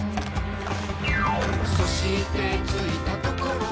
「そして着いたところは」